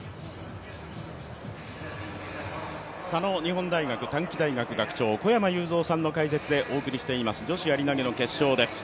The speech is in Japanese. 佐野日本大学短期大学学長、小山裕三さんの解説でお届けしています、女子やり投の決勝です。